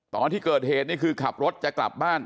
ตอนที่เกิดเหตุนี่คือขับรถจะกลับบ้าน